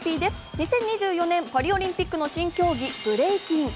２０２４年パリオリンピックの新競技ブレイキン。